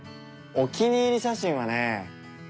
お気に入り写真はね